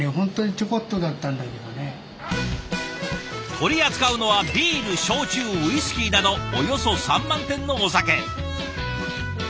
取り扱うのはビール焼酎ウイスキーなどおよそ３万点のお酒。